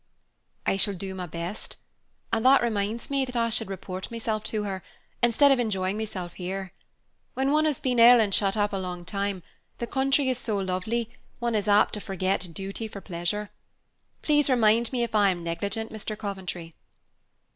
"I shall do my best. And that reminds me that I should report myself to her, instead of enjoying myself here. When one has been ill and shut up a long time, the country is so lovely one is apt to forget duty for pleasure. Please remind me if I am negligent, Mr. Coventry."